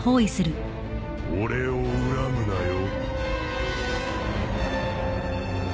俺を恨むなよ。